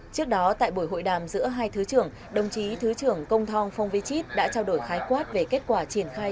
trước đó tại buổi hội đàm giữa hai thứ trưởng đồng chí thứ trưởng công thong phong vy chít đã trao đổi khái quát về kết quả triển khai